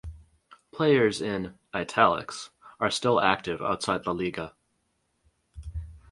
Players in "italics" are still active outside La Liga.